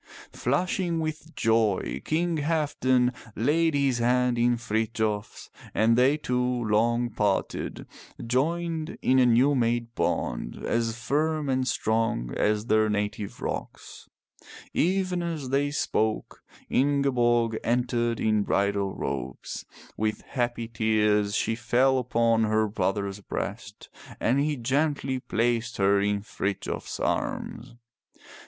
Flushing with joy King Halfdan laid his hand in Frithjof's and they two, long parted, joined in a new made bond as firm and strong as their native rocks. Even as they spoke Ingeborg entered in bridal robes. With happy tears she fell upon her brother's breast and he gently placed her in Frithjof's arms.